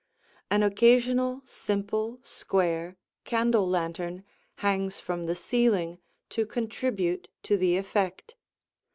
An occasional simple, square, candle lantern hangs from the ceiling to contribute to the effect.